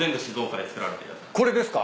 これですか？